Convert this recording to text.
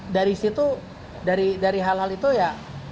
dari situ dari hal hal itu ya